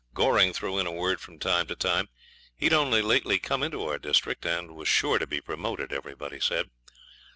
Goring threw in a word from time to time. He'd only lately come into our district, and was sure to be promoted, everybody said.